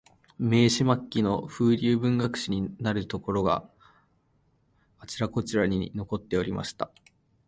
明治末期の風流文学史になるところが、あちらこちらに残っておりました